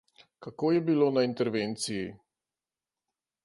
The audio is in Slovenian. Kako je bilo na intervenciji?